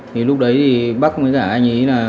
thì lúc đấy bắt anh ấy